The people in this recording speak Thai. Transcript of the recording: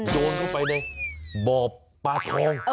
โยนเข้าไปในบ่อปลาทอง